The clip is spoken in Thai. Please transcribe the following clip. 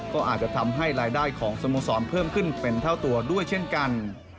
ก็อาจจะทำให้รายได้ของสโมสรเพิ่มขึ้นเป็นเท่าตัวด้วยเช่นกัน